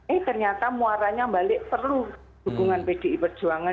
eh ternyata muaranya balik perlu dukungan pdi perjuangan